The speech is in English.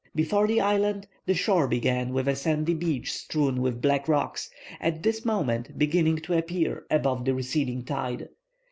Before the Island, the shore began with a sandy beach strewn with black rocks, at this moment beginning to appear above the receding tide.